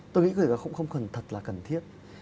tôi nghĩ là không cần thật là cần thiết